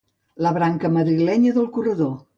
La branca madrilenya del corredor